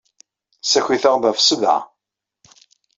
Ssakit-aɣ-d ɣef ssebɛa.